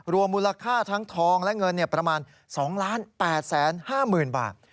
มูลค่าทั้งทองและเงินประมาณ๒๘๕๐๐๐บาท